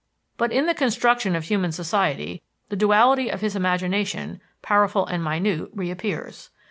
But in the construction of human society, the duality of his imagination powerful and minute reappears.